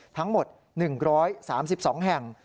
ทั้งหมด๑๓๒แห่ง